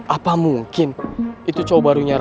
apa mungkin itu cowok barunya rara